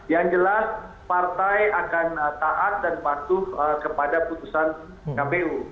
yang jelas partai akan taat dan patuh kepada putusan kpu